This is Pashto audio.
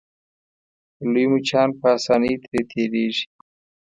لوی مچان په اسانۍ ترې تېرېږي.